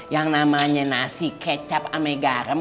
yang namanya nasi kecap ame garam